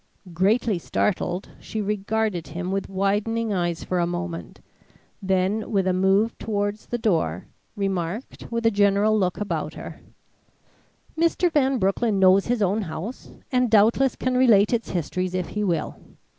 Greatly startled, she regarded him with widening eyes for a moment, then with a move towards the door, remarked, with a general look about her: "Mr. Van Broecklyn knows his own house, and doubtless can relate its histories if he will.